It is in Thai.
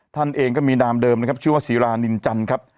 ท่านเองก็มีนามเดิมนะครับชื่อว่าศิรานินจันทร์ครับ